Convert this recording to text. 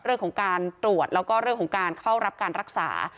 เรื่องของการตรวจแล้วก็เรื่องของการเข้ารับการรักษา